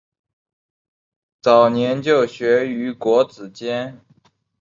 早年就学于国子监。